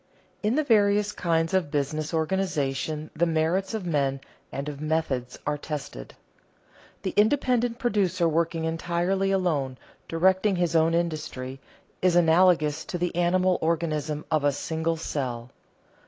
In the various kinds of business organization the merits of men and of methods are tested. The independent producer working entirely alone, directing his own industry, is analogous to the animal organism of a single cell.